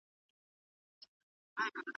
که رزق وي نو پریشانی نه وي.